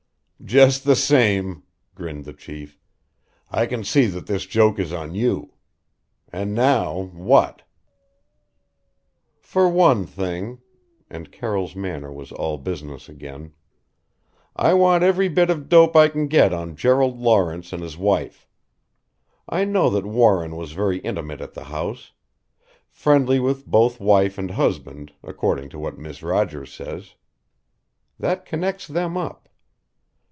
"Just the same," grinned the chief, "I can see that this joke is on you! And now what?" "For one thing," and Carroll's manner was all business again, "I want every bit of dope I can get on Gerald Lawrence and his wife. I know that Warren was very intimate at the house: friendly with both wife and husband, according to what Miss Rogers says. That connects them up.